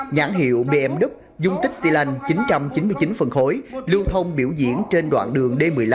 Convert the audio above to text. một mươi một nghìn năm trăm tám mươi tám nhãn hiệu bmw dung tích xy lanh chín trăm chín mươi chín phần khối lưu thông biểu diễn trên đoạn đường d một mươi năm